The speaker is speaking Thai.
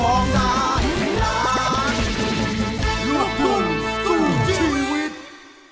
เป็นแสงสว่างอยู่กลางเมืองรุ่งเหลืองสตรีเวรชนใครวายใจทุกคน